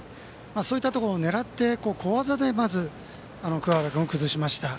そういうところを狙って小技で桑原君を崩しました。